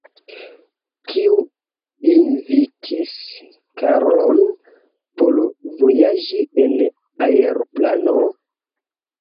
Kiu invitis Karlon por vojaĝi en aeroplano?